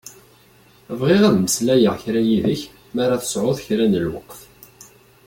Bɣiɣ ad meslayeɣ kra yid-k m'ara tesεuḍ kra n lweqt.